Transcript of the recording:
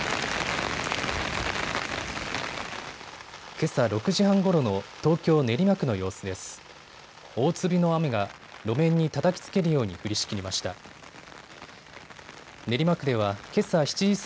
けさ６時半ごろの東京練馬区の様子です。